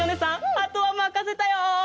あとはまかせたよ！